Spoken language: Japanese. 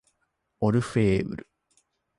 オルフェーヴル